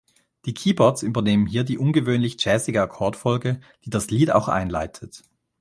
Die Keyboards übernehmen hier die ungewöhnlich jazzige Akkordfolge, die das Lied auch einleitet.